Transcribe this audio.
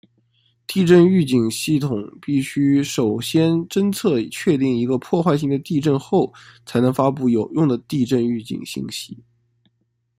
地震预警系统必须首先侦测确定一个破坏性的地震后才能发布有用的地震预警信息。